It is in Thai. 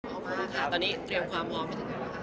อมพร้อมมากค่ะตอนนี้เตรียมความว้องไปถึงไหนละคะ